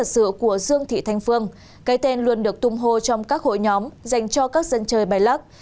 sự của dương thị thanh phương cái tên luôn được tung hô trong các hội nhóm dành cho các dân chơi bài lắc